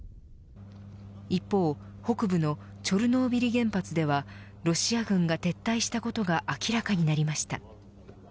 一方、北部のチョルノービリ原発ではロシア軍が撤退したことが明らかになりました。